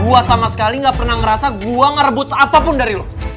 gue sama sekali gak pernah ngerasa gua ngerebut apapun dari lo